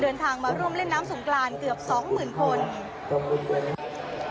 เดินทางมาร่วมเล่นน้ำสงกรานเกือบสองหมื่นคน